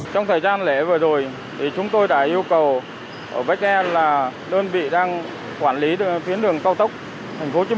trong thời gian lễ vừa rồi chúng tôi đã yêu cầu ở bách nen là đơn vị đang quản lý đường cao tốc